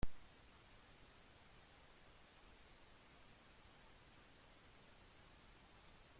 El vencedor disputó una repesca frente a los contendientes del resto de continentes.